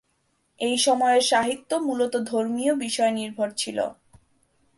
এই সময়ের সাহিত্য মূলত ধর্মীয় বিষয় নির্ভর ছিল।